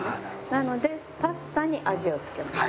なのでパスタに味を付けます。